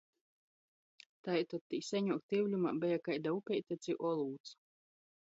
Taitod tī seņuok tiuļumā beja kaida upeite ci olūts.